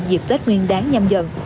dịp tết nguyên đáng nhâm dần